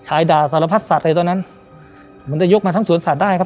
ด่าสารพัดสัตว์เลยตอนนั้นมันจะยกมาทั้งสวนสัตว์ได้ครับ